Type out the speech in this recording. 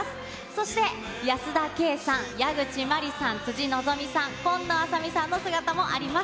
そして、保田圭さん、矢口真里さん、辻希美さん、紺野あさ美さんの姿もあります。